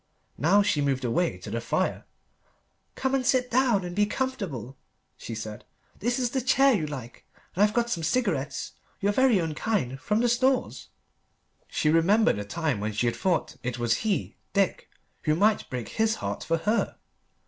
Now she moved away to the fire. "Come and sit down and be comfortable," she said. "This is the chair you like. And I've got some cigarettes, your very own kind, from the Stores." She remembered a time when she had thought that it was he, Dick, who might break his heart for her.